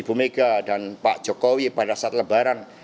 ibu mega dan pak jokowi pada saat lebaran